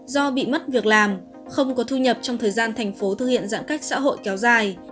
do bị mất việc làm không có thu nhập trong thời gian thành phố thực hiện giãn cách xã hội kéo dài